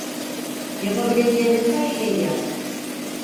Yapabileceğimiz her şeyi yaptık.